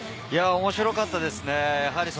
面白かったですね。